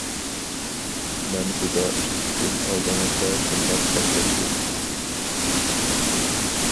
مەن ئۇدا ئىككى كۈن ئالدىڭىزدا شۇنداق سەتلەشتىم.